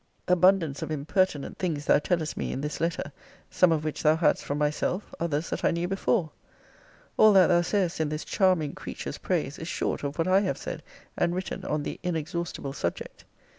Abundance of impertinent things thou tellest me in this letter; some of which thou hadst from myself; others that I knew before. All that thou sayest in this charming creature's praise is short of what I have said and written on the inexhaustible subject.